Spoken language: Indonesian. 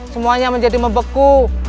semuanya menjadi mebeku